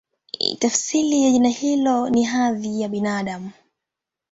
Tafsiri ya jina hilo ni "Hadhi ya Binadamu".